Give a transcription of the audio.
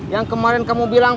yang kemarin kamu bilang